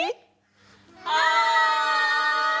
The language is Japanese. はい！